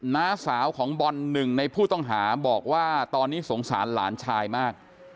น้าสาวของบอลหนึ่งในผู้ต้องหาบอกว่าตอนนี้สงสารหลานชายมาก